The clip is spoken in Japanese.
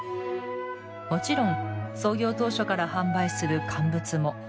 もちろん創業当初から販売する乾物も。